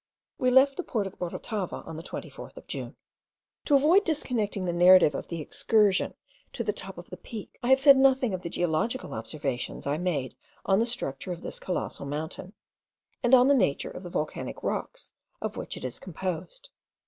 We left the port of Orotava on the 24th of June. To avoid disconnecting the narrative of the excursion to the top of the Peak, I have said nothing of the geological observations I made on the structure of this colossal mountain, and on the nature of the volcanic rocks of which it is composed.